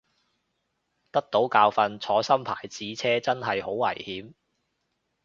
得到教訓，坐新牌子車真係好危險